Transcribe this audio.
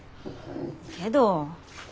けど。